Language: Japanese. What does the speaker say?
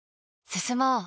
進もう。